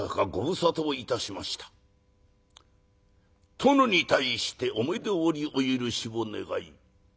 殿に対してお目通りお許しを願い